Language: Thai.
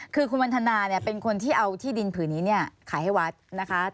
คือคุณวันทนาเนี่ยเป็นคนที่เอาที่ดินผืนนี้เนี่ยขายให้วัดนะคะ